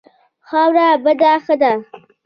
خاورې بوی ښه دی.